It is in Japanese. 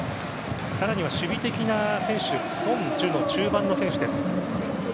さらには守備的な選手ソン・ジュノ、中盤の選手です。